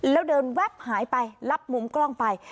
แล้วเดินแว๊บหายไปรับมุมกล้องไป